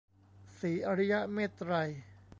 ศรีอริยเมตตรัย